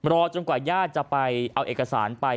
รอจนกว่าญาติจะไปเอาเอกสารไป